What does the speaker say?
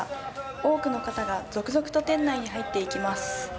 多くの方が続々と店内に入っていきます。